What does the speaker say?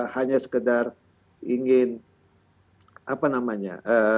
hanya sekedar ingin apa namanya